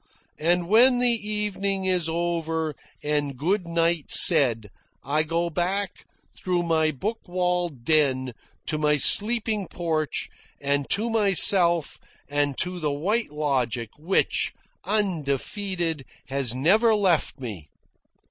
And when the evening is over and good night said, I go back through my book walled den to my sleeping porch and to myself and to the White Logic which, undefeated, has never left me.